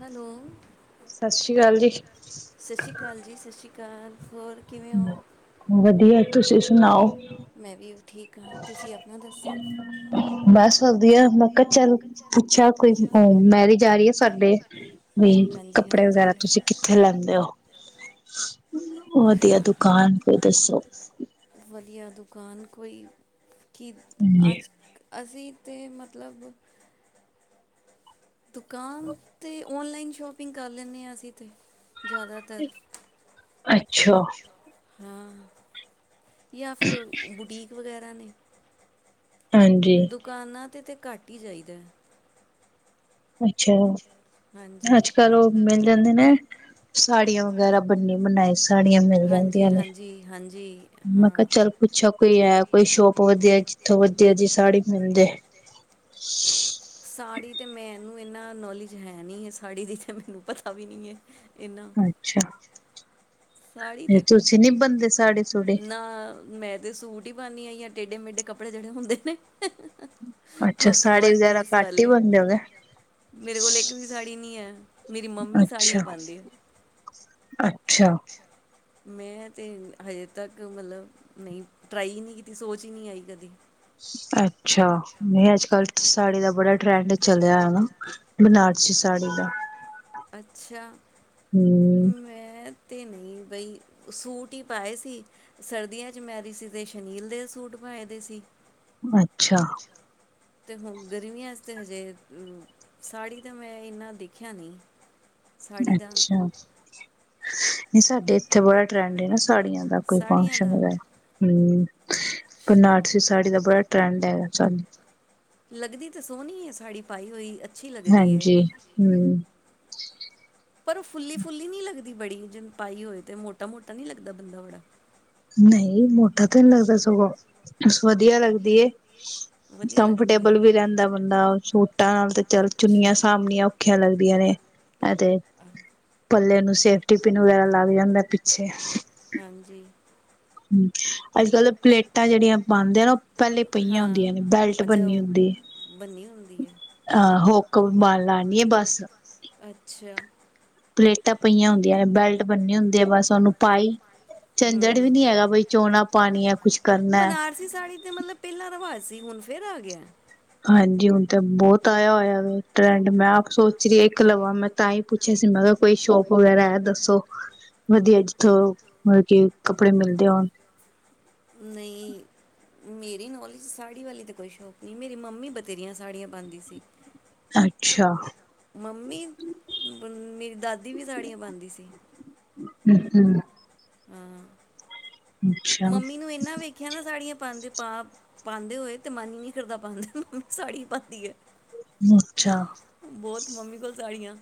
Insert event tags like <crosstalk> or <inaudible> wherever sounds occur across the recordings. Hello ਸਤਿ ਸ੍ਰੀ ਅਕਾਲ ਜੀ। ਕਾਲ ਹੋਰ ਕਿਵੇਂ ਓ ਵਧੀਆ ਤੁਸੀਂ ਸੁਣਾਓ? ਮੈਂ ਵੀ ਅਬ ਠੀਕ ਹਾਂ ਤੁਸੀਂ ਆਪਣਾ ਦੱਸੋ? ਬਸ ਵਧੀਆ ਆ ਮੈਂ ਕਿਹਾ ਚੱਲ ਪੁੱਛਾ ਕੋਈ ਮੈਰਿਜ ਆ ਰਹੀ ਆ ਸਾਡੇ ਵੀ ਹਾਂਜੀ ਕੱਪੜੇ ਹਾਂਜੀ ਵਗੈਰਾ ਤੁਸੀਂ ਕਿੱਥੇ ਲੈਂਦੇ ਓ ਵਧੀਆ ਦੁਕਾਨ ਕੋਈ ਦੱਸੋ ਵਧੀਆ ਦੁਕਾਨ ਕੋਈ ਕਿ ਹਾਂਜੀ ਅੱਜ ਅਸੀਂ ਅਤੇ ਮਤਲਬ ਦੁਕਾਨ ਤੇ ਓਨਲਾਈਨ ਸ਼ੋਪਿੰਗ ਕਰ ਲੈਂਨੇ ਆ ਅਸੀਂ ਤਾਂ ਜ਼ਿਆਦਾਤਰ ਅੱਛਾ। ਹਾਂ ਜਾਂ ਫਿਰ ਬੁਟੀਕ ਵਗੈਰਾ ਬਣੇ ਹਾਂਜੀ ਦੁਕਾਨਾਂ ਤੇ ਤੇ ਘੱਟ ਹੀ ਜਾਈਦੈ ਅੱਛਾ ਹਾਂਜੀ। ਅੱਜ ਕੱਲ ਉਹ ਮਿਲ ਜਾਂਦੇ ਨੇ ਸਾੜੀਆਂ ਵਗੈਰਾ ਬਣੀ ਬਣਾਈ ਸਾੜੀਆਂ ਮਿਲ ਹਾਂਜੀ, ਜਾਂਦੀਆਂ ਨੇ ਹਾਂਜੀ, ਹਾਂਜੀ ਮੈਂ ਕਿਹਾ ਹਾਂ। ਚੱਲ ਪੁੱਛਾ ਕੋਈ ਐ ਕੋਈ ਸ਼ੋਪ ਵਧੀਆ ਜਿੱਥੋਂ ਵਧੀਆ ਜੀ ਸਾੜੀ ਹੁੰਦੇ ਸਾੜੀ ਤੇ ਮੈਨੂੰ ਇੰਨਾ ਨੌਲੇਜ ਹੈ ਨੀ ਹੈ ਸਾੜੀ ਦੀ ਤਾਂ ਮੈਨੂੰ ਪਤਾ ਵੀ ਨੀ ਹੈ ਇੰਨਾ। ਅੱਛਾ ਸਾੜੀ ਤੇ ਤੁਸੀਂ ਨੀ ਬੰਦੇ ਸਾੜੀ ਸੁੜੀ? ਨਾ ਮੈਂ ਤੇ ਸੂਟ ਹੀ ਪਾਨੀ ਆ ਜਾ ਟੇਡੇ ਮੇਢੇ ਕਪੜੇ ਜਿਹੜੇ ਹੁੰਦੇ ਨੇ ਅੱਛਾ ਹੂੰ ਹੂੰ ਸਾੜੀ ਵਨ ਵਗੈਰਾ ਪੀਸ ਘੱਟ ਹੀ ਵਾਲੇ ਬਣਦੇ ਹੋਗੇ। ਮੇਰੇ ਕੋਲ ਇੱਕ ਵੀ ਸਾੜੀ ਨੀ ਹੈ ਮੇਰੀ ਮੰਮੀ ਅੱਛਾ, ਸਾੜੀਆਂ ਪਾਂਦੀ ਐ ਅੱਛਾ। ਮੈਂ ਤੇ ਹਜੇ ਤੱਕ ਮਤਲਬ ਨਹੀਂ ਟਰਾਈ ਨਹੀਂ ਕੀਤੀ ਸੋਚ ਹੀ ਨਹੀਂ ਆਈ ਕਦੀ ਅੱਛਾ ਨਹੀਂ ਅੱਜ ਕੱਲ ਸਾੜੀ ਦਾ ਬੜਾ ਟਰੈਂਡ ਚਲਿਆ ਹੈ ਨਾ ਬਨਾਰਸੀ ਸਾੜੀ ਦਾ ਅੱਛਾ ਹੂੰ, ਮੈਂ ਅਤੇ ਨਹੀਂ ਬਈ ਸੂਟ ਹੀ ਪਾਏ ਸੀ ਸਰਦੀਆਂ 'ਚ ਮੈਰੀਜਿਸ ਸੀ ਅਤੇ ਸ਼ਨੀਲ ਦੇ ਸੂਟ ਪਾਏ ਦੇ ਸੀ ਹਾਂ ਅੱਛਾ ਤੇ ਹੁਣ ਗਰਮੀਆਂ ' ਤੇ ਹਜੇ ਸਾੜੀ ਤਾਂ ਮੈਂ ਇਨਾ ਦੇਖਿਆ ਨਹੀਂ ਸਾੜੀ ਦਾ ਅੱਛਾ ਨਹੀਂ ਸਾਡੇ ਇੱਥੇ ਬੜਾ ਟਰੈਂਡ ਏ ਨਾ ਸਾੜੀਆਂ ਦਾ ਕੋਈ ਸਾੜੀਆਂ ਫੰਕਸ਼ਨ ਦਾ ਵਗੈਰਾ ਹਮ ਅੱਛਾ ਬਨਾਰਸੀ ਸਾੜੀ ਦਾ ਬੜਾ ਟਰੈਂਡ ਹੈਗਾ ਚੱਲ ਲੱਗਦੀ ਤੇ ਸੋਹਣੀ ਹੈ ਸਾੜੀ ਪਾਈ ਹੋਈ ਅੱਛੀ ਲੱਗਦੀ ਹੈ ਹਾਂਜੀ ਹਮ ਪਰ ਉਹ ਫੁੱਲੀ ਫੁੱਲੀ ਨਹੀਂ ਲੱਗਦੀ ਬੜੀ ਜਿਨ ਪਾਈ ਹੋਏ ਤੇ ਮੋਟਾ ਮੋਟਾ ਨਹੀਂ ਲੱਗਦਾ ਬੰਦਾ ਬੜਾ ਨਹੀਂ ਮੋਟਾ ਤੇ ਨਹੀਂ ਲੱਗਦਾ ਸਗੋਂ ਵਧੀਆ ਲੱਗਦੀ ਏ ਵਧੀਆ ਲੱਗਦੀ ਹੈ ਕੰਫਰਟੇਬਲ ਵੀ ਰਹਿੰਦਾ ਬੰਦਾ ਸੂਟਾਂ ਨਾਲ ਤੇ ਚੱਲ ਚੁੰਨੀਆਂ ਅੱਛਾ ਸਾਹਮਣੀਆਂ ਔਖੀਆਂ ਲੱਗਦੀਆਂ ਨੇ ਅਤੇ ਨੇ ਪੱਲੇ ਨੂੰ ਸੇਫਟੀ ਪਿੰਨ ਵਗੈਰਾ ਲੱਗ ਜਾਂਦਾ ਪਿ ਛੇ ਹਾਂਜੀ ਹਮ ਅੱਜ ਕੱਲ ਓ ਪਲੇਟਾਂ ਜਿਹੜੀਆਂ ਪਾਉਦੇ ਆ ਨਾ ਉਹ ਪਹਿਲੇ ਪਹੀਆਂ ਹੁੰਦੀਆਂ ਨੇ ਹਾਂ ਬੈਲਟ ਅੱਛਾ ਬਣਨੀ ਉਹ ਹੁੰਦੀ ਏ ਬੰਨੀ ਹੁੰਦੀ ਹੈ ਬੰਨੀ ਅਹ ਹੁਕ ਮਨ ਲਾਣੀ ਹੈ ਬਸ <unintelligible> ਅੱਛਾ ਪਲੇਟਾਂ ਪਈਆਂ ਹੁੰਦੀਆਂ ਨੇ ਬੈਲਟ ਬੰਨੇ ਹੁੰਦੇ ਆ ਬਸ ਉਹਨੂੰ ਪਾਈ ਜੰਜਟ ਵੀ ਨੀ ਹੈਗਾ ਬਈ ਚੋਣਾਂ ਪਾਣੀ ਹੈ ਬਨਾਰਸੀ ਸਾੜੀ ਤੇ ਮਤਲਬ ਪਹਿਲਾ ਰਿਵਾਜ਼ ਸੀ ਹੁਣ ਫੇਰ ਆ ਗਿਆ ਹਾਂਜੀ ਹੁਣ ਤੇ ਬਹੁਤ ਆਇਆ ਹੋਇਆ ਵ ਟਰੈਂਡ ਮੈਂ ਆਪ ਸੋਚ ਰਹੀ ਇੱਕ ਲਵਾ ਮੈਂ ਤਾਂ ਹੀ ਪੁੱਛਿਆ ਸੀ ਮੈਂ ਕਿਹਾ ਕੋਈ ਸ਼ੋਪ ਵਗੈਰਾ ਹੈ ਦੱਸੋ ਵਧੀਆ ਜਿੱਥੋਂ ਮਤਲਬ ਕੀ ਕੱਪੜੇ ਮਿਲਦੇ ਹੋਣ ਨਹੀਂ ਮੇਰੀ ਨੌਲੇਜਚ ਸਾੜੀ ਵਾਲੀ ਤਾਂ ਕੋਈ ਸ਼ੌਕ ਨਹੀਂ ਮੇਰੀ ਮੰਮੀ ਬਥੇਰੀਆਂ ਸਾੜੀਆਂ ਪਾਉਂਦੀ ਸੀ ਅੱਛਾ ਮੰਮੀ ਮੇਰੀ ਦਾਦੀ ਵੀ ਸਾੜੀਆਂ ਪਾਉਂਦੀ ਸੀ ਹਮ ਹਮ ਹਾ ਮੰਮੀ ਨੂੰ ਇਨਾ ਵੇਖਿਆ ਨਾ ਸਾੜੀਆਂ ਪਾਉਦੇ ਪਾ ਪਾਉਂਦੇ ਹੋਏ ਤੇ ਮਨ ਹੀ ਨਹੀਂ ਕਰਦਾ ਪਾਉਂਦਾ ਮੰਮੀ ਸਾੜੀ ਪਾਉਂਦੀ ਹੈ ਅੱਛਾ ਬਹੁਤ ਮੰਮੀ ਕੋਲ ਸਾੜੀਆਂ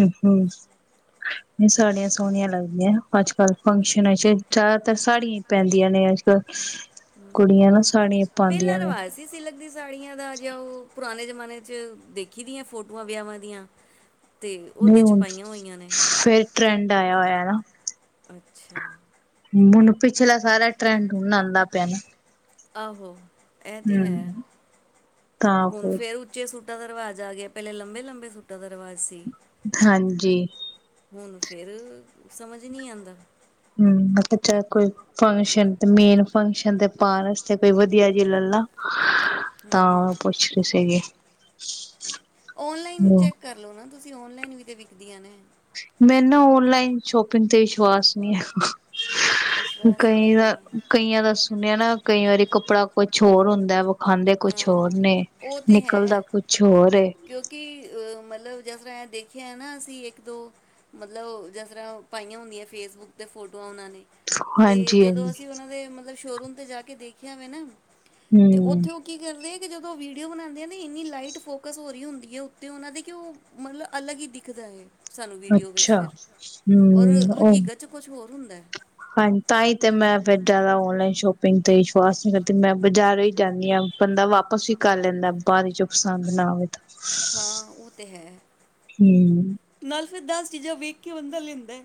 ਹਮ ਹਮ ਸਾੜੀਆਂ ਸੋਹਣੀਆਂ ਲੱਗਦੀਆਂ ਅੱਜ ਕੱਲ ਫੰਕਸ਼ਨਨਾਂ ਚ ਜ਼ਿਆਦਾਤਰ ਸਾੜੀਆਂ ਹੀ ਪੈਂਦੀਆਂ ਨੇ ਅੱਜ ਕੱਲ ਪਹਿਲਾ ਪਾਉਂਦੀਆਂ ਨੇ ਰਿਵਾਜ ਸੀ ਸਿਲਕ ਦੀ ਸਾੜੀਆਂ ਦਾ ਜੇ ਉਹ ਪੁਰਾਣੇ ਜਮ ਜ਼ਮਾਨੇ ਚ ਦੇਖੀ ਦੀਆਂ ਫੋਟੋਆਂ ਵਿਆਾਂ ਦੀਆਂ ਤੇ ਉਹਦੇ ਨਹੀਂ 'ਚ ਹੁਣ ਪਾਈਆਂ ਹੋਈਆਂ ਨੇ ਫੇਿਰ ਟਰੈਂਡ ਆਇਆ ਹੋਇਆ ਨਾ ਅੱਛਾ ਹੁਣ ਪਿਛਲਾ ਸਾਰਾ ਟਰੈਂਡ ਹਣ ਆਉਂਦਾ ਪਿਆ ਨਾ ਆਹੋ ਇਹ ਤੇ ਹੈ ਹੂੰ ਤਾਂ ਹੁਣ ਫਿਰ ਫੇਰ ਉੱਚੇ ਸੁੱ ਸੂਟਾਂ ਦਾ ਰਿਵਾਜ ਆ ਗਿਆ ਪਹਿਲੇ ਲੰਬੇ ਲੰਬੇ ਸੱਟਾਂ ਦਾ ਵਾ ਸੀ ਹਾਂਜੀ ਹੁਣ ਫੇਰ ਸਮਝ ਨਹੀਂੀ ਆਉਂਦਾ ਮੈਂ ਕਿਹਾ ਚਲ ਮੇਨ ਫੰਕਸ਼ਨ ਤੇ ਪਾਉਣ ਵਸਤੇ ਕੋਈ ਵਧੀਆ ਜੀ ਲੈ ਲਾ ਤਾਂ ਹੂੰ ਪੁੱਛ ਰੀ ਸੀਗੀ ਹਮ ਅਸੀਂ ਔਨਲਾਈਨ ਵੀ ਤੇ ਵਿਕਦੀਆਂ ਨੇ ਮੈਨੂੰ ਨਾ ਓਨਲਾਈਨ ਸ਼ੋਪਿੰਗ ਤੇ ਵਿਸ਼ਵਾਸ ਨਹੀਂ ਹੈ ਵਿਸ਼ਵਾਸ ਨਹੀਂ ਕਈ ਦਾ ਹੈਗਾ ਕਈਆਂ ਦਾ ਸੁਣਿਆ ਨਾ ਕਈ ਵਾਰੀ ਕੱਪੜਾ ਕੁਛ ਹੋਰ ਹੁੰਦਾ ਵਖਾਂਦੇ ਕੁਛ ਹੋਰ ਨੇ ਹਾਂ ਉਹ ਤੇ ਨਿਕਲਦਾ ਹੈ ਕੁਛ ਹੋਰ ਕਿਆ ਨਾ ਅਸੀਂ ਇੱਕ ਦੋ ਮਤਲਬ ਜਿਸ ਤਰ੍ਹਾਂ ਪਾਈਆਂ ਹੁੰਦੀਆਂ ਫੇਸਬੁੱਕ 'ਤੇ ਫੋਟੋਆਂ ਉਹਨਾਂ ਨੇ ਤੇ ਹਾਂਜੀ ਜਦੋਂ ਹਾਂਜੀ ਅਸੀਂ ਉਹਨਾਂ ਦੇ ਮਤਲਬ ਸ਼ੋਅਰੂਮ 'ਤੇ ਜਾ ਕੇ ਦੇਖਿਆ ਮੈਂ ਨਾ ਤੇ ਹੂੰ ਉੱਥੇ ਉਹ ਕੀ ਕਰਦੇ ਜਦੋਂ ਵੀਡੀਓ ਬਣਾਉਂਦੇ ਨੇ ਇੰਨੀ ਲਾਈਟ ਫੋਕਸ ਹੋ ਰਹੀ ਹੁੰਦੀ ਉੱਤੇ ਉਹਨਾਂ ਦੇ ਕਿ ਉਹ ਮਤਲਬ ਅਲੱਗ ਹੀ ਦਿਖਦਾ ਹੈ ਸਾਨੂੰ ਵੀਡੀਓ ਵਿੱਚ ਅੱਛਾ ਫਿਰ ਔਰ ਹੂੰ ਉਹ ਹਕੀਕਤ ਚ ਕੁਛ ਹੋਰ ਹੁੰਦਾ ਹਾਂਜੀ ਤਾਂ ਹੀ ਤੇ ਮੈਂ ਫੇਰ ਜ਼ਿਆਦਾ ਔਨਲਾਈਨ ਸ਼ੋਪਿੰਗ ਤੇ ਵਿਸ਼ਵਾਸ ਨਹੀਂ ਕਰਦੀ ਮੈਂ ਬਾਜ਼ਾਰੋਂ ਹੀ ਜਾਂਦੀ ਹਾਂ ਬੰਦਾ ਵਾਪਸ ਹੀ ਕਰ ਲੈਂਦਾ ਬਅਦ ਚੋਂ ਪਸੰਦ ਨਾ ਆਵੇ ਤਾਂ। ਹਾਂ ਉਹ ਤੇ ਹੈ ਹੂੰ ਫਿਰ ਦਸ ਚੀਜ਼ਾਂ ਵੇਖ ਕੇ ਬੰਦਾ ਲੈਂਦਾ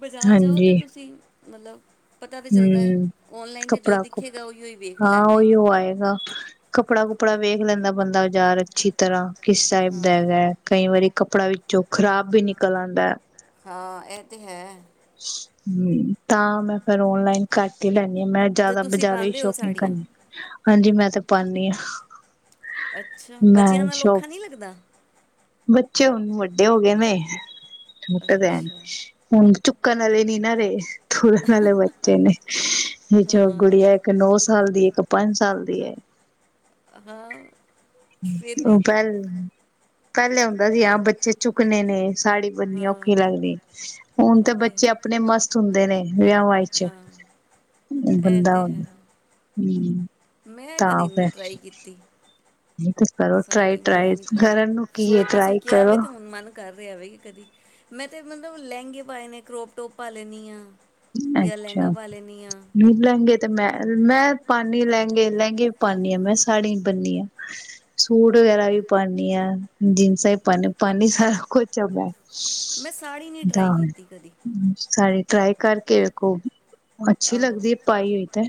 ਬਜ਼ਾਰ ਜਾਓ ਤੇ ਹਾਂਜੀ ਤੁਸੀਂ ਮਤਲਬ ਪਤਾ ਤੇ ਚੱਲਦਾ ਹੈ ਹੂੰ ਓਨਲਾਈਨ ਤੇ ਜੋ ਕੱਪੜਾ ਕੁ ਦਿਖੇਗਾ ਉਹੀਓ ਹੀ ਵੇਖ ਹਾਂ ਲੈਣਾ ਉਹੀਓ ਆਏਗਾ। ਕੱਪੜਾ ਵੇਖ ਲੈਂਦਾ ਬੰਦਾ ਬਾਜ਼ਾਰ ਅੱਛੀ ਤਰ੍ਹਾਂ ਕਿਸ ਟਾਈਪ ਦਾ ਹੈਗਾ ਹੈ ਕਈ ਵਾਰੀ ਕੱਪੜਾ ਵੀ ਜੋ ਖ਼ਰਾਬ ਵੀ ਨਿਕਲ ਆਂਦਾ ਐ। ਹਾਂ ਇਹ ਤੇ ਹੈ। ਹੂੰ, ਤਾਂ ਮੈਂ ਫੇਰ ਓਨਲਾਈਨ ਕਰਕੇ ਲੈਣੀ ਮੈਂ ਤੇ ਜਿਆਦਾ ਤੁਸੀਂ ਬਜ਼ਾਰੋ ਈ ਪਾਉਂਦੇ ਹੋ ਸ਼ੋਪਿੰਗ ਸਾੜੀਆਂ ਕਰਨੀ ਹਾਂਜੀ ਮੈਂ ਤੇ ਪਾਂਨੀ ਆਂ। ਅੱਛਾ ਬੱਚਿਆਂ ਨਾਲ ਔਖਾ ਨੀ ਲੱਗਦਾ। ਬੱਚੇ ਹੁਣ ਵੱਡੇ ਹੋ ਗਏ ਨੇ। ਟ ਦੇਣ ਅੱਛਾ ਹੁਣ ਚੁ ਕਨ ਰੇ ਨੀਨਰੇ ਤੁਰਨ ਆਲੇ ਬੱਚੇ ਨੇ ਇਹ ਜੋ ਹਾਂ ਗੁੜੀਆ ਇੱਕ ਨੌ ਸਾਲ ਦੀ ਇੱਕ ਪੰਜ ਸਾਲ ਦੀ ਐ। ਹਾਂ, ਫਿਰ ਵੀ ਉਹ ਪਹਿ ਪਹਿਲੇ ਆਉਂਦਾ ਸੀ ਆ ਬੱਚੇ ਚੁੱਕਣੇ ਨੇ ਸਾੜੀ ਬੰਨਨੀ ਹਾਂ ਔਖੀ ਲੱਗਦੀ ਹੁਣ ਉਹ ਤੇ ਹੈ। ਬੱਚੇ ਆਪਣੇ ਮਸਤ ਹੁੰਦੇ ਨੇ ਵਿਆਵਾਂ ਚ ਹਾਂ ਇਹ ਬੰਦਾ ਤੇ ਹੈ ਹੂੰ ਮੈਂ ਕਦੀ ਤਾਂ ਨਹੀਂ ਫਿਰ ਟਰਾਈ ਕੀਤੀ ਤੇ ਕਰੋ ਟਰਾਈ ਸਾੜੀ ਮੈਂ ਟਰਾਈ ਨੀ ਪਾਈ ਕਰਨ ਨੂੰ ਕੀ ਸੋ ਹੈ ਤੁਸੀਂ ਟਰਾਈ ਕਿਹਾ ਕਰੋ ਵੇ ਤੇ ਹੁਣ ਮਨ ਕਰ ਰਿਹਾ ਕਦੀ ਮੈਂ ਤਾਂ ਮਤਲਬ ਲਹਿੰਗੇ ਪਾਏ ਨੇ ਕਰੋਪ ਟੋਪ ਪਾ ਲੈਂਦੀ ਆਂ। ਅੱਛਾ ਨ ਲਹਿੰਗੇ ਤੇ ਮੈਂ ਮੈਂ ਪਾਨੀ ਲਹਿੰਗੇ ਲਹਿੰਗੇ ਵੀ ਪਾਨੀ ਆ ਮੈਂ ਸਾੜੀ ਬਣਨੀ ਹ ਸੂਟ ਵਗੈਰਾ ਵੀ ਪਾਨੀ ਹਾਂ ਜੀਨਸਾਂ ਵੀ ਪਾਨੀ ਸਾਰਾ ਕੁਛ ਮੈਂ ਮੈਂ ਸਾੜੀ ਨੀ ਤਾਂ ਟਰਾਈ ਕੀਤੀ ਕਦੀ ਸਾੜੀ ਟਰਾਈ ਕਰਕੇ ਵੇਖੋ ਅੱਛੀ ਆਹੋ ਲੱਗਦੀ ਐ ਪਾਈ ਹੋਈ ਤਾਂ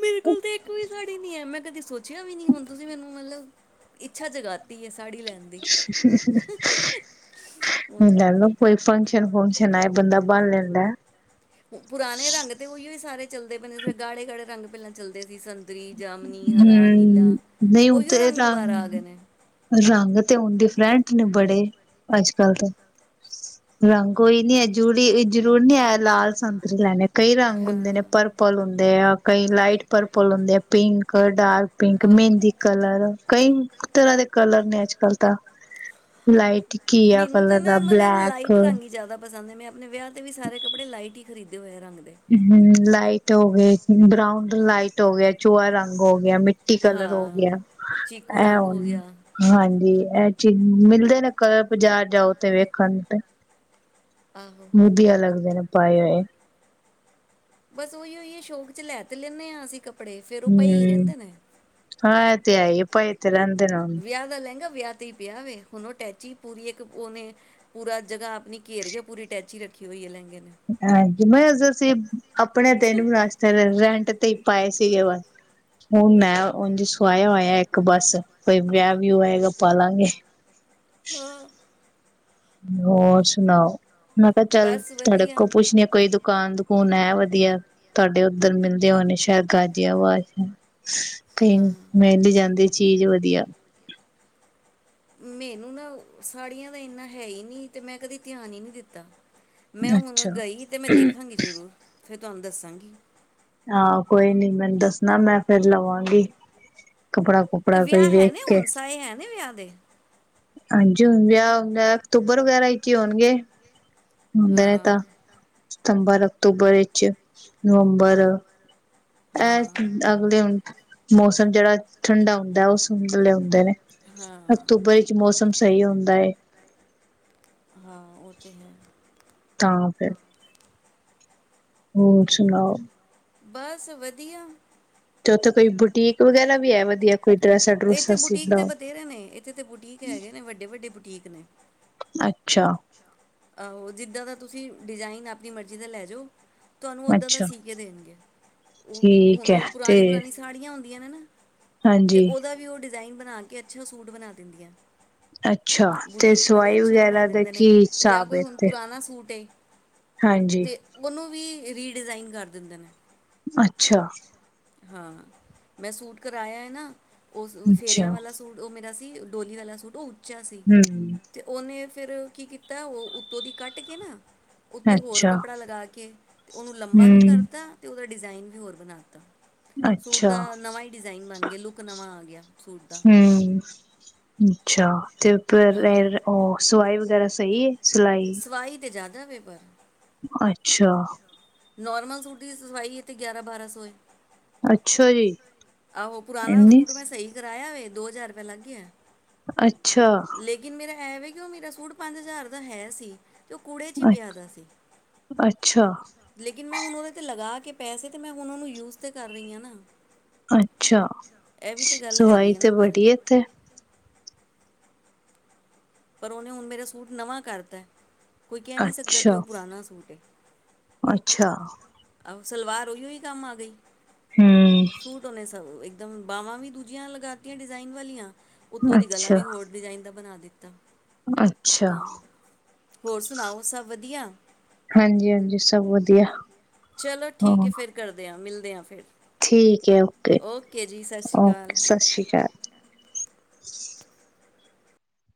ਮੇਰੇ ਕੋਲ ਤੇ ਇੱਕ ਵੀ ਸਾੜੀ ਨੀ ਹੈ ਮੈਂ ਕਦੀ ਸੋ ਚਿਆ ਵੀ ਨਹੀਂ ਹੁਣ ਤੁਸੀਂ ਮੈਨੂੰ ਮਤਲਬ ਇੱਛਾ ਜਗਾ ਦਿਤੀ ਐ। ਹੁਣ ਲੈ ਲਓ ਕੋਈ ਫੰਕਸ਼ਨ ਫੁਕਸ਼ ਹਨਾ ਇਹ ਬੰਦਾ ਬੰਨ ਲੈਂਦਾ। ਪੁਰਾਣੇ ਰੰਗ ਤੇ ਉਹੀਓ ਸਾਰੇ ਚੱਲਦੇ ਪੈਂਦੇ ਗਾੜੇ-ਗਾੜੇ ਰੰਗ ਪਹਿਲਾਂ ਚੱਲਦੇ ਸੀ, ਸਨ ਹੂੰ, ਨਹੀਂ ਉਹੀਓ ਤੇ ਰੰਗ ਦੁਬਾਰਾ ਆ ਗਏ ਨੇ ਰੰਗ-ਰੰਗ ਤੇ ਹੁਣ ਡਿਫਰੈਂਟ ਨੇ ਬੜੇ ਅੱਜ- ਕੱਲ ਦੇ ਰੰਗ ਈ ਨੀ ਹੈ ਜੂੜੀ ਜਰੂਰ ਨੀ ਹੈ ਲਾਲ, ਸੰਤਰੀ ਲੈਣੇ ਕਈ ਰੰਗ ਹੁੰਦੇ ਨੇ ਪਰਪਲ ਹੁੰਦੇ ਆ। ਕਈ ਲਾਈਟ ਪਰਪਲ ਹੁੰਦੇ ਆ ਪਿੰਕ, ਘ ਡਾਰਕ, ਪਿੰਕ ਮਹਿੰਦੀ ਕਲਰ, ਕਈ ਤਰ੍ਹਾਂ ਦੇ ਕਲਰ ਨੇ ਅੱਜ ਕੱਲ ਤਾਂ ਹਾਂ ਲਾਈਟ ਘੀਆ ਮੈਨੂੰ ਤੇ ਕਲਰ ਨਾ ਦਾ ਮਤਲਬ ਬਲੈਕ ਲਾਈਟ ਹੂੰ ਰੰਗ ਹੀ ਜਿਆਦਾ ਪਸੰਦ ਹੈ ਮੈਂ, ਆਪਣੇ ਵਿਆਹ ਤੇ ਵੀ ਸਾਰੇ ਕਲਰ ਲਾਈਟ ਹੀ ਖਰੀਦੇ ਹੋਨੇ ਆ। ਰੰਗ ਦੇ ਹੂੰ, ਲਾਈਟ ਹੋਵੇ। ਬਰਾਊਨ ਲਾਈਟ ਹੋ ਗਿਆ ਚੂਆ ਰਫ ਹੋ ਗਿਆ ਮਿੱ ਟੀ ਕਲਰ ਹੋ ਹਾਂ ਗਿਆ ਚੀਕੂ ਐ ਰੰਗ ਹੋ ਹੁਣ ਗਿਆ ਹਾਂਜੀ, ਇਹ ਚੀਜ਼ ਮਿਲਦੇ ਨੇ ਕ ਬਾਜ਼ਾਰ ਜਾਓ ਤੇ ਵੇਖਣ ਤੇ, ਆਹੋ ਵਧੀਆ ਲੱਗਦੇ ਨੇ, ਪਾਏ ਹੋਏ, ਬਸ ਉਹੀ ਉਹੀ ਏ ਸ਼ੋਕ ਚ ਲੈ ਤੇ ਲੈਂਦੇ ਹਾਂ ਅਸੀਂ ਕ ਕੱਪੜੇ ਫੇਰ ਉਹ ਪਈ ਹੂੰ ਰਹਿੰਦੇ ਨੇ ਹਾਂ ਇਹ ਤੇ ਹੈ ਹੀ ਪਏ ਤੇ ਰਹਿੰਦੇ ਨੇ ਹੁਣ ਵਿਆਹ ਦਾ ਲਹਿੰਗਾ ਵਿਆਹ ਤੇ ਹੀ ਪਿਆ ਵ ਹੁਣ ਉਹ ਟੈਚੀ ਪੂਰੀ ਉਹਨੇ ਪੂਰਾ ਜਗ੍ਹਾ ਆਪਣੀ ਘੇਰ ਗਿਆ ਪੂਰੀ ਅਟੈਚੀ ਰੱਖੀ ਹੋਈ ਹੈ ਲਹਿੰਗੇ ਨੇ ਹਾਂਜੀ ਮੈਂ ਅਸੀਂ ਆਪਣੇ ਦਿਨ ਵੀ ਰਸਤੇ ਰੈਂਟ ਤੇ ਹੀ ਪਾਏ ਸੀਗੇ ਵ ਹੁਣ ਮੈਂ ਸੁਆਇਆ ਹੋਇਆ ਇੱਕ ਬੱਸ ਕੋਈ ਵਿਆਹ ਵਿਹ ਆਏਗਾ ਪਾਲਾਂਗੇ। ਹੂੰ, ਹੋਰ ਸੁਣਾਓ? ਮੈਂ ਕਿਹਾ ਚੱਲ ਬਸ ਤੁਹਾਡੇ ਵਧੀਆ ਕੋਲ ਪੁੱਛਣੀ ਕੋਈ ਦੁ ਦੁਕਾਨ-ਦੁਕਾਨ ਹੈ ਵਧੀਆ ਤੁਹਾਡੇ ਉੱਧਰ ਮਿਲਦੇ ਹੋਏ ਨੇ ਸ਼ਾਇਦ ਗਾਜੀਵਾਜ਼ ਕਈ ਹਾਂ ਮੇਲੀ ਜਾਂਦੀ। ਚੀਜ਼ ਵਧੀਆ, ਮੈਨੂੰ ਨਾ ਸਾੜੀਆਂ ਦਾ ਇੰਨਾ ਹੈ ਹੀ ਨਹੀਂ ਤੇ ਮੈਂ ਕਦੇ ਧਿਆਨ ਹੀ ਨਹੀਂ ਦਿੱਤਾ। ਮੈਂ ਹੁਣ ਅੱਛਾ। ਗਈ ਸੀ ਤੇ ਮੈਂ ਦੇਖਾਂਗੀ ਜ਼ਰੂਰ, ਫਿਰ ਤੁਹਾਨੂੰ ਦੱਸਾਂਗੀ। ਆਹੋ ਕੋਈ ਨੀ ਮੈਨੂੰ ਦੱਸਣਾ ਮੈਂ ਫੇਰ ਲਵਾਂਗੀ। ਕੱਪੜਾ ਤੇ ਕੁਪੜਾ ਕੋਈ ਵਿਆਹ ਹੈ ਵੇਖ ਨੇ ਕੇ। ਹੁਣ ਸਾਏ ਹੈ ਨੇ ਵਿਆਹ ਦੇ। ਜੌ ਹ ਵਿਆਹ ਹੁੰਦਾ ਅਕਤੂਬਰ ਵਗੈਰਾ ਚ ਹੀ ਆਉਦਾ। ਹੁੰਦੇ ਨੇ ਹਾਂ। ਤਾਂ। ਸਤੰਬਰ, ਅਕਤੂਬਰ ਚ ਨਵੰਬਰ। ਐ ਹਾਂ। ਅਗਲੇ ਹੁਣ ਮੌਸਮ ਜਿਹੜਾ ਠੰਡਾ ਹੁੰਦਾ ਉਹ ਸੁੰਦਲੇ ਹੁੰਦੇ ਨੇ। ਹਿਸਾਬ ਹਾਂ। ਅਕਤੂਬਰ ਵਿੱਚ ਮੌਸਮ ਸਹੀ ਹੁੰਦਾ ਹੈ। ਹਾਂ, ਉਹ ਤਾਂ ਹੈ। ਤਾਂ ਫਿਰ। ਹੋਰ ਸੁਣਾਓ। ਬਸ ਵਧੀਆ। ਤੇ ਉੱਥੇ ਕੋਈ ਬੁਟੀਕ ਵਗੈਰਾ ਵੀ ਹੈ। ਵਧੀਆ ਕੋਈ ਡਰੈਸਾਂ ਇੱਥੇ ਡਰੂਸਾਂ ਬੁਟੀਕ ਸਿੰਦਾ ਤੇ ਹੋ ਬਥੇਰੇ ਨੇ ਇੱਥੇ ਤੇ ਬੁਟੀਕ ਹੈਗੇ ਨੇ ਵੱਡੇ-ਵੱਡੇ ਬੁਟੀਕ ਨੇ। ਅੱਛਾ। ਆਹੋ ਜਿੱਦਾਂ ਦਾ ਤੁਸੀਂ ਡਿਜ਼ਾਇਨ ਆਪਣੀ ਮਰਜ਼ੀ ਦਾ ਲੈ ਜੌ ਤੁਹਾਨੂੰ ਓਦਾਂ ਦਾ ਅੱਛਾ ਸੀ ਕੇ ਦੇਣਗੇ ਉਹ ਠੀਕ ਹੁਣ ਹੈ ਉਹ ਤੇ ਪੁਰਾਣੀ ਪੁਰਾਣੀ ਸਾੜੀਆਂ <inaudible> ਤੇ ਹਾਂਜੀ। ਉਹਦਾ ਵੀ ਉਹ ਡੀ ਜਇਨ ਬਣਾ ਕੇ ਅੱਛਾ ਸੂਟ ਬਣਾ ਦਿੰਦੀਆਂ। ਅੱਛਾ ਤੇ ਬੁਟੀਕ ਵਾਲੇ ਸਵਾਈ ਅੱਛਾ ਬਣਾ ਵਗੈਰਾ ਦਾ ਦਿੰਦੇ ਨੇ ਕੀ ਜਾਂ ਹਿਸਾਬ ਕੋਈ ਹੈ ਹੁਣ ਇਥੇ ਪੁਰਾਣਾ ਸੂਟ ਏ। ਹਾਂਜੀ ਤੇ ਉਹਨੂੰ ਵੀ ਰੀ ਡਿਜ਼ਾਈਨ ਕਰ ਦਿੰਦੇ ਨੇ। ਅੱਛਾ। ਹਾਂ, ਮੈਂ ਸੂਟ ਕਰਾਇਆ ਹੈ ਨਾ ਉਹ ਅੱਛਾ ਫੇਰਿਆਂ ਵਾਲਾ ਸੂਟ ਉਹ ਮੇਰਾ ਡੋਲੀ ਵਾਲਾ ਸੂਟ ਉਹ ਉੱਚਾ ਸੀ ਹਮ ਤੇ ਉਹਨੇ ਫੇਰ ਕੀ ਕੀਤਾ ਤਾਂ ਉਹ ਉੱਤੋਂ ਦੀ ਕੱਟ ਕੇ ਨਾ ਉੱਤੇ ਹੋਰ ਅੱਛਾ ਕੱਪੜਾ ਲਗਾ ਕੇ ਤੇ ਉਹਨੂੰ ਲੰਬਾ ਵੀ ਹਮ ਕਰਦਾ ਤੇ ਉਹਦਾ ਡਿਜ਼ਾਇਨ ਵੀ ਹੋਰ ਬਣਾਤਾ। ਸੂਟ ਅੱਛਾ ਦਾ ਨਵਾਂ ਹੀ ਡਿਜ਼ਾਇਨ ਬਣ ਗਿਆ ਲੁੱਕ ਨਵਾਂ ਆ ਗਿਆ ਸੂਟ ਦਾ। ਹਮ ਅੱਛਾ। ਤੇ ਉਹ ਹਾਂ ਫੇਰ ਉਹ ਸਵਾਈ ਵਗੈਰਾ ਸਹੀ ਏ। ਸਵਾਈ ਤੇ ਜ਼ਿਆਦਾ ਲਵੇਗਾ ਅੱਛਾ ਨੋਰਮਲ ਸੂਟ ਦੀ ਸਵਾਈ ਹੈ ਅਤੇ ਗਿਆਰਾਂ ਬਾਰਾਂ ਸੌ ਏ ਅੱਛਾ ਜੀ ਆਹੋ ਪੁਰਾਣਾ ਇਨੀ ਸੂਟ ਮੈਂ ਸਹੀ ਕਰਾਇਆ ਵੇ ਦੋ ਹਜ਼ਾਰ ਰੁਪਇਆ ਲੱਗ ਗਿਆ ਅੱਛਾ ਐਵੇ ਕਿਓਂ ਉਹ ਮੇਰਾ ਸੂਟ ਪੰਜ ਹਜ਼ਾਰ ਦਾ ਹੈ ਸੀ ਤੇ ਉਹ ਕੂੜੇ 'ਚ ਹੀ ਪਿਆ ਅ- ਦਾ ਸੀ ਅੱਛਾ। ਲੇਕਿਨ ਮੈਂ ਹੁਣ ਉਹਦੇ ਤੇ ਲਗਾ ਕੇ ਪੈਸੇ ਤੇ ਮੈਂ ਉਹ ਨੂੰ ਯੂਜ ਤੇ ਕਰ ਰਹੀ ਹਾਂ। ਨਾ ਅੱਛਾ! ਇਹ ਵੀ ਤੇ ਗੱਲ ਸਵਾਈ ਹੈਗੀ ਹੈ ਤੇ ਨਾ ਪਰ ਵੱਡੀ ਇੱਥੇ ਪਰ ਉਹਨੇ ਹੁਣ ਮੇਰਾ ਸੂਟ ਨਵਾਂ ਕਰਤਾ। ਕੋਈ ਕਹਿ ਨੀ ਸਕਦਾ ਅੱਛਾ ਕਿ ਉਹ ਪੁਰਾਣਾ ਸੂਟ ਹੈ। ਅੱਛਾ। ਆ ਸਲਵਾਰ ਉਹੀਓ ਹੀ ਕੰਮ ਆ ਗਈ। ਹਮ ਸੂਟ ਹੋਣੇ। ਸਭ ਮ ਬਾਾਹਵਾਂ ਵੀ ਦੂਜੀਆਂ ਲਗਾਤੀਆਂ ਡਿਜ਼ਾਇਨ ਵਾਲੀਆਂ ਉੱਤੋਂ ਦੀ ਗਲਾ ਅੱਛਾ ਵੀ ਹੋਰ ਡਿਜ਼ਾਇਨ ਦਾ ਬਣਾ <unintelligible> ਅੱਛਾ ਹੋਰ ਸੁਣਾਓ। ਸਭ ਵਧੀਆ, ਹਾਂਜੀ ਹਾਂਜੀ ਸਭ ਵਧੀਆ ਚਲੋ ਠੀਕ ਹਾਂ ਹੈ। ਫੇਰ ਕਰਦੇ ਆ ਮਿਲ ਦੇ ਆ ਫਿਰ ਠੀਕ ਹੈ ਓਕੇ, ਜੀ ਸਤਿ ਸ਼੍ਰੀ ਓਕੇ ਅਕਾਲ ਸਤਿ ਸ਼੍ਰੀ ਅਕਾਲ। <inaudible>